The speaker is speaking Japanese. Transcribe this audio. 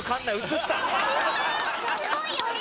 すごいよね！